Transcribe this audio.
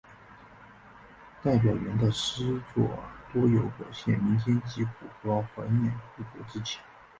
戴表元的诗作多有表现民间疾苦和怀念故国之情。